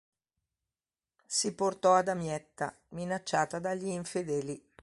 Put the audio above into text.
Si portò a Damietta, minacciata dagli infedeli.